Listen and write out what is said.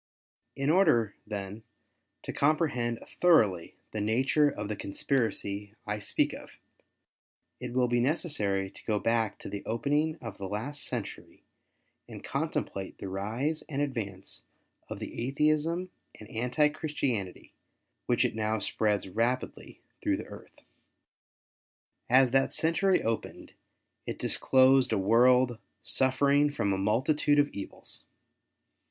In order, then, to comprehend thoroughly the nature of the conspiracy I speak of, it will be necessary to go back to the opening of the last century and contemplate the rise and advance of the Atheism and Anti Christianity which it now spreads rapidly through the earth. As that century opened it disclosed a world suffering from a multitude of evils.